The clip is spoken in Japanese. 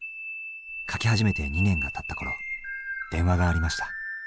書き始めて２年がたった頃電話がありました。